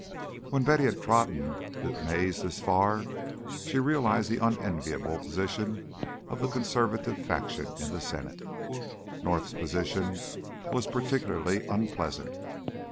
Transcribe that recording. When Betty had trodden the maze this far, she realized the unenviable position of the conservative faction in the Senate. North's position was particularly unpleasant.